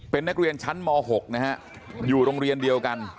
เป็นนักเรียนชั้นม๖นะฮะอยู่โรงเรียนเดียวกัน